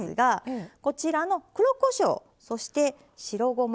こちらの黒こしょうそして白ごま。